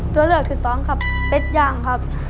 ตัวเลือกที่สองครับเป็ดย่างครับ